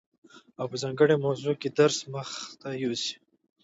او په ځانګړي موضوع کي درس مخته يوسي،